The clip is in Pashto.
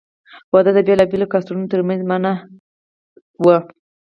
واده د بېلابېلو کاسټانو تر منځ منع وو.